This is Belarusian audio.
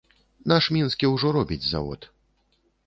Наш мінскі ўжо робіць завод.